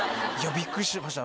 びっくりしました